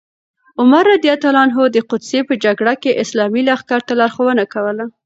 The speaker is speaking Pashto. عمر رض د قادسیې په جګړه کې اسلامي لښکر ته لارښوونه کوله.